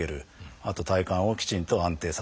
あと体幹をきちんと安定させる。